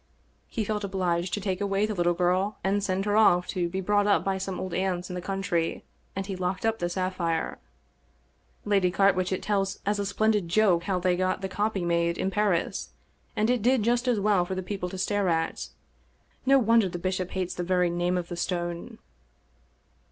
He felt obliged to take away the little girl, and send her off to be brought up by some old aunts in the country, and he locked up the sapphire. Lady Carwitchet tells as a splendid joke how they got the copy made in Paris, and it did just as well for the people to stare at. No wonder the bishop hates the very name of the stone."